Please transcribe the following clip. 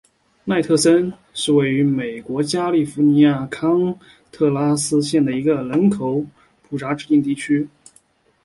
奈特森是位于美国加利福尼亚州康特拉科斯塔县的一个人口普查指定地区。